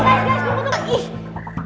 guys guys guys jangan betul